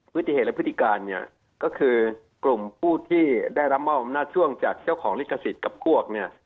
ฤติเหตุและพฤติการเนี่ยก็คือกลุ่มผู้ที่ได้รับมอบอำนาจช่วงจากเจ้าของลิขสิทธิ์กับพวกเนี่ย